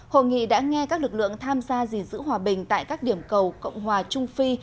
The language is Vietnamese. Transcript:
hội nghị đã nghe các lực lượng tham gia gìn giữ hòa bình tại các điểm cầu cộng hòa trung phi